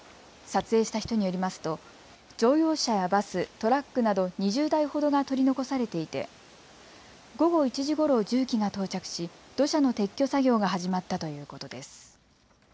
撮影した人によりますと乗用車やバス、トラックなど２０台ほどが取り残されていて、午後１時ごろ、重機が到着し土砂の撤去作業が始まったということです。